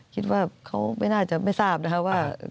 คิดว่าเขาไม่น่าจะไม่ทราบนะคะว่า